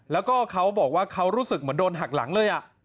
แล้วก็เขาบอกว่าเขารู้สึกเหมือนโดนหักหลังเลย